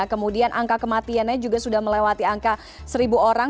kemudian angka kematiannya juga sudah melewati angka seribu orang